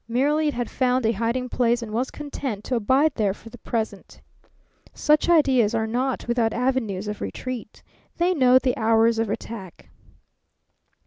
Merely it had found a hiding place and was content to abide there for the present. Such ideas are not without avenues of retreat; they know the hours of attack.